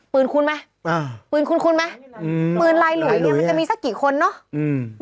ปืนคุณไหมปืนคุณไหมปืนไรหรือมันจะมีสักกี่คนเนอะอืม